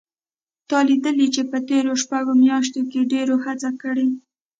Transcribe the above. تا لیدلي چې په تېرو شپږو میاشتو کې ډېرو هڅه کړې